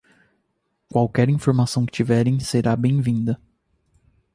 Qualquer informação que tiverem será bem-vinda.